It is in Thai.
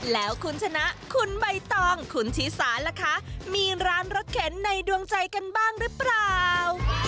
แล้วคุณชนะคุณใบตองคุณชิสาล่ะคะมีร้านรถเข็นในดวงใจกันบ้างหรือเปล่า